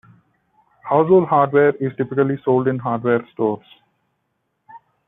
Household hardware is typically sold in hardware stores.